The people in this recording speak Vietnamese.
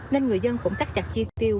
nên người dân cũng cắt chặt chi tiêu